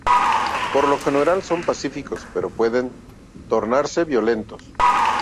Por lo general son pacíficos, pero pueden tornarse violentos.